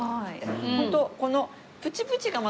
ホントこのプチプチがまた。